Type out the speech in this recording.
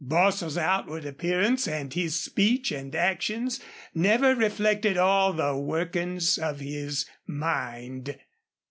Bostil's outward appearance and his speech and action never reflected all the workings of his mind.